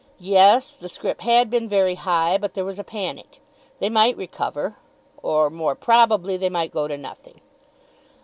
Yes; the scrip had been very high; but there was a panic. They might recover, or, more probably, they might go to nothing.